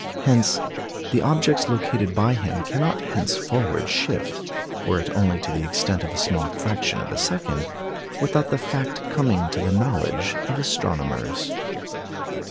Hence, the objects located by him cannot henceforward shift, were it only to the extent of a small fraction of a second, without the fact coming to the knowledge of astronomers.